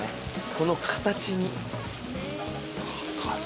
この形に形？